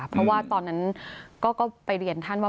เพราะว่าตอนนั้นก็ไปเรียนท่านว่า